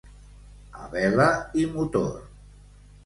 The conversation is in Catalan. A vela i motor.